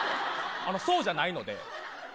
そうじゃないので。